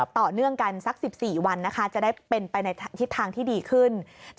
ต่อเนื่องกันสัก๑๔วันจะได้เป็นไปในทิศทางที่ดีขึ้น